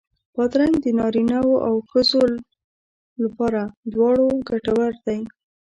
بادرنګ د نارینو او ښځو لپاره دواړو ګټور دی.